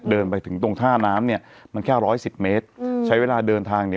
เดินไปถึงตรงท่าน้ำเนี่ยมันแค่ร้อยสิบเมตรอืมใช้เวลาเดินทางเนี่ย